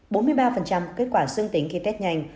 bốn mươi ba của kết quả xương tính khi test nhanh